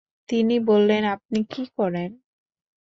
তিনি বললেন, আপনি কী করেন?